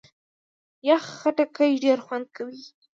یخ خټکی ډېر خوند کوي.